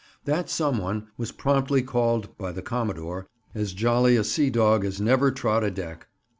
That some one was promptly "called" by the "commodore"—as jolly a sea dog as never trod a deck.